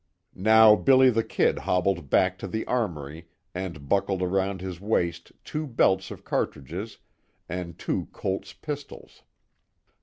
Now "Billy the Kid" hobbled back to the armory and buckled around his waist two belts of cartridges and two Colt's pistols.